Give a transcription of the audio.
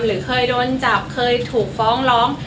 หรือเคยโดนจับเคยถูกฟ้องร้อง